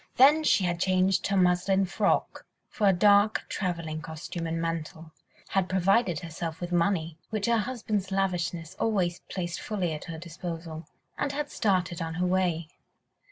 Then she had changed her muslin frock for a dark travelling costume and mantle, had provided herself with money—which her husband's lavishness always placed fully at her disposal—and had started on her way.